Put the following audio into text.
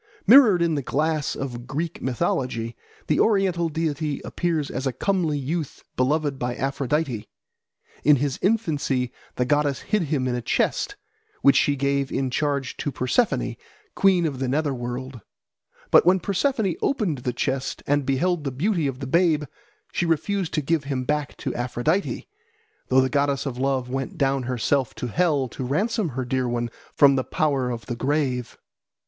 Mirrored in the glass of Greek mythology, the oriental deity appears as a comely youth beloved by Aphrodite. In his infancy the goddess hid him in a chest, which she gave in charge to Persephone, queen of the nether world. But when Persephone opened the chest and beheld the beauty of the babe, she refused to give him back to Aphrodite, though the goddess of love went down herself to hell to ransom her dear one from the power of the grave.